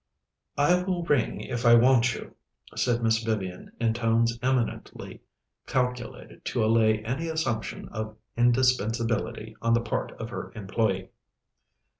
"I will ring if I want you," said Miss Vivian in tones eminently calculated to allay any assumption of indispensability on the part of her employée.